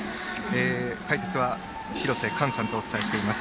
解説は廣瀬寛さんとお伝えしています。